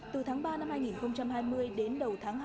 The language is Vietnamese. từ tháng ba năm hai nghìn hai mươi đến đầu tháng hai